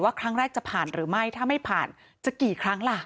ครั้งแรกจะผ่านหรือไม่ถ้าไม่ผ่านจะกี่ครั้งล่ะ